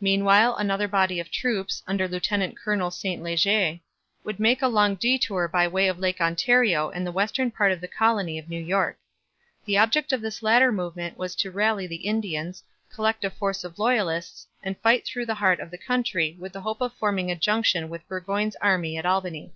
Meanwhile another body of troops, under Lieutenant Colonel St Leger, would make a long detour by way of Lake Ontario and the western part of the colony of New York. The object of this latter movement was to rally the Indians, collect a force of loyalists, and fight through the heart of the country with the hope of forming a junction with Burgoyne's army at Albany.